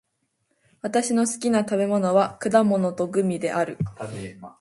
私の好きな食べ物は果物とグミである。